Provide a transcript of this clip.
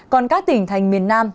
còn các tỉnh thành miền nam